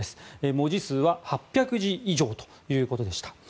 文字数は８００字以上ということでした。